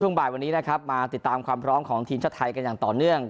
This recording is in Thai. บ่ายวันนี้นะครับมาติดตามความพร้อมของทีมชาติไทยกันอย่างต่อเนื่อง